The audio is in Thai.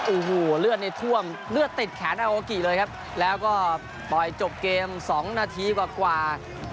โอ้โหเลือดนี่ท่วมเลือดติดแขนอาโอกิเลยครับแล้วก็ปล่อยจบเกม๒นาทีกว่า